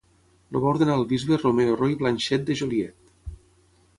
El va ordenar el bisbe Romeo Roy Blanchette de Joliet.